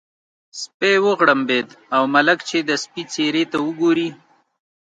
سپی وغړمبېد او ملک چې د سپي څېرې ته وګوري.